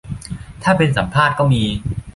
ถ้าเป็นสัมภาษณ์ก็มี